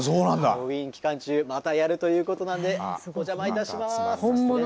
ハロウィーン期間中またやるということなんでお邪魔いたします。